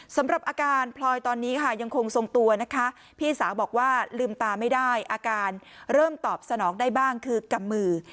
สำหรับอาการพลอยตอนนี้ค่ะยังคงทรงตัวนะคะพี่สาวบอกว่าลืมตาไม่ได้อาการเริ่มตอบสนองได้บ้างคือกำมือ